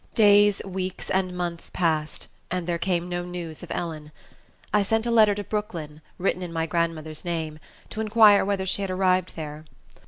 Days, weeks, and months passed, and there came no news of Ellen. I sent a letter to Brooklyn, written in my grandmother's name, to inquire whether she had arrived there.